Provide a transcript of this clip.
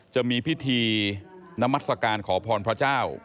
จะมีพิธีนมัศกาลขอพรพระเจ้า